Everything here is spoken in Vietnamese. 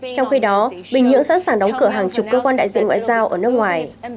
trong khi đó bình nhưỡng sẵn sàng đóng cửa hàng chục cơ quan đại diện ngoại giao ở nước ngoài